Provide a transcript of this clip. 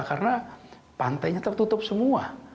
karena pantainya tertutup semua